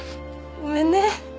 ごめんね。